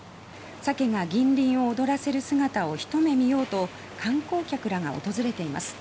サケが銀鱗を躍らせる姿を一目見ようと観光客らも訪れています。